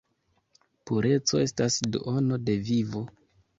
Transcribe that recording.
Pureco estas duono de vivo!